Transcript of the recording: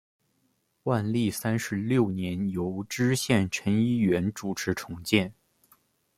万历三十六年由知县陈一元主持重建。